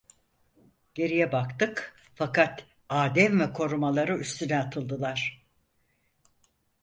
Geriye baktık, fakat Adem ve korumaları üstüne atıldılar.